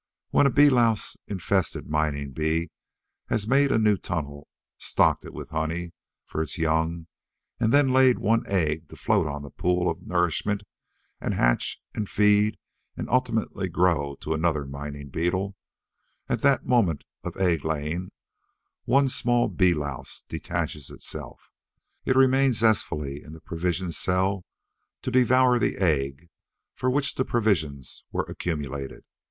When a bee louse infested mining bee has made a new tunnel, stocked it with honey for its young, and then laid one egg to float on that pool of nourishment and hatch and feed and ultimately grow to be another mining bee at that moment of egg laying, one small bee louse detaches itself. It remains zestfully in the provisioned cell to devour the egg for which the provisions were accumulated.